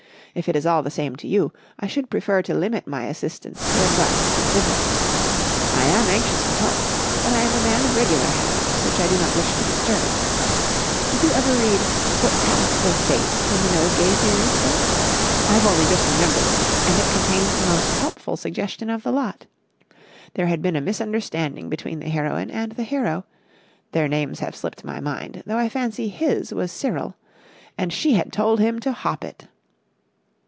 If it is all the same to you, I should prefer to limit my assistance to advice and sympathy. I am anxious to help, but I am a man of regular habits, which I do not wish to disturb. Did you ever read 'Footpaths of Fate,' in the Nosegay series, sir? I've only just remembered it, and it contains the most helpful suggestion of the lot. There had been a misunderstanding between the heroine and the hero—their names have slipped my mind, though I fancy his was Cyril—and she had told him to hop it...."